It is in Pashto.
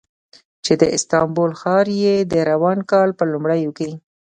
چې د استانبول ښار یې د روان کال په لومړیو کې